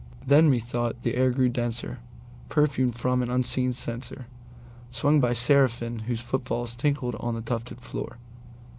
Then, methought, the air grew denser, perfumed from an unseen censerSwung by seraphim whose foot falls tinkled on the tufted floor.